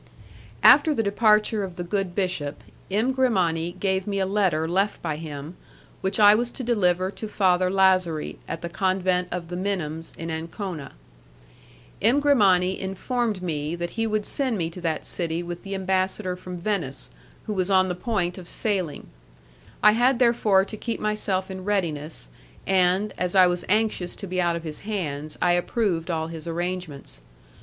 After the departure of the good bishop, M. Grimani gave me a letter left by him, which I was to deliver to Father Lazari, at the Convent of the Minims, in Ancona. M. Grimani informed me that he would send me to that city with the ambassador from Venice, who was on the point of sailing. I had therefore to keep myself in readiness, and, as I was anxious to be out of his hands, I approved all his arrangements.